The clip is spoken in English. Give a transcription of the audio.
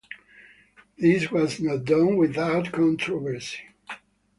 This was not done without controversy.